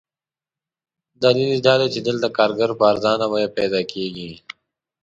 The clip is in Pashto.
دلیل یې دادی چې دلته کارګر په ارزانه بیه پیدا کېږي.